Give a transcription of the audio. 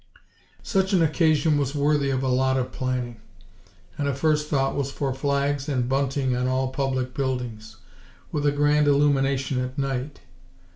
Such an occasion was worthy of a lot of planning; and a first thought was for flags and bunting on all public buildings; with a grand illumination at night.